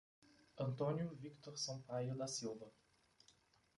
Antônio Victor Sampaio da Silva